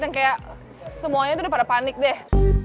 yang kayak semuanya tuh udah pada panik deh